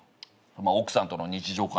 奥さんとの日常かな。